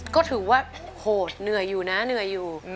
ก็ถือว่าโหดเหนื่อยอยู่นะเหนื่อยอยู่